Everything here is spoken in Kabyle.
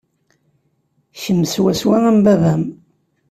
Kemm swaswa am baba-m.